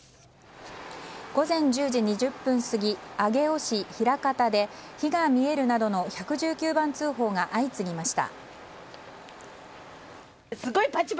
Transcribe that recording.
午前１０時２０分過ぎ上尾市平方で火が見えるなどの１１９番通報が相次ぎました。